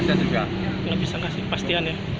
nggak bisa nggak sih pastian ya